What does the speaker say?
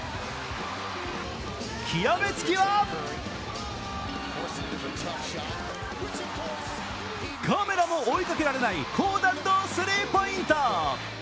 極めつきはカメラも追いかけられない高弾道スリーポイント。